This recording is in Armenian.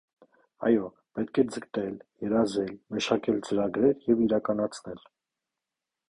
Այո, պետք է ձգտել, երազել, մշակել ծրագրեր և իրականացնել: